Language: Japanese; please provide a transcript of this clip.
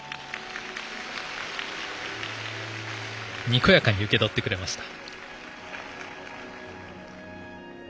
にこやかに受け取ってくれました。